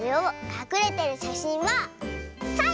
かくれてるしゃしんはサイ！